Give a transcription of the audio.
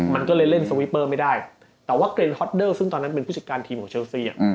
มันก็เลยเล่นสวิปเปอร์ไม่ได้แต่ว่าเกรนฮอตเดอร์ซึ่งตอนนั้นเป็นผู้จัดการทีมของเชลซี